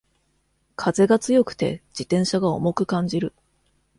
風が強くて自転車が重く感じる